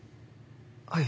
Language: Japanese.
はい。